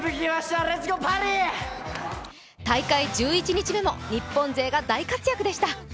大会１１日目も日本勢が大活躍でした。